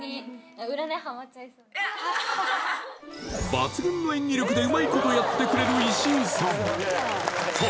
抜群の演技力でうまいことやってくれる石井さんさあ